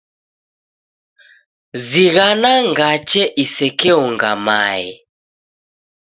Zighana ngache isekeonga mae.